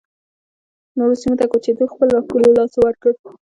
نورو سیمو ته کوچېدو خپل راښکون له لاسه ورکړ